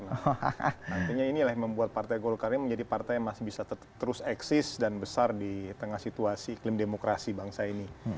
artinya inilah yang membuat partai golkar ini menjadi partai yang masih bisa terus eksis dan besar di tengah situasi klaim demokrasi bangsa ini